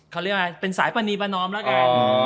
เขาเรียกว่าเป็นสายปรณีประนอมแล้วกัน